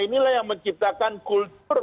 inilah yang menciptakan kultur